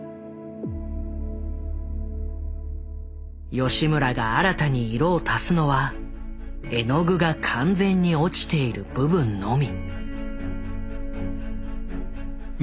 吉村が新たに色を足すのは絵の具が完全に落ちている部分のみ。